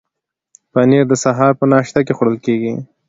پنیر د سهار په ناشته کې خوړل کیږي.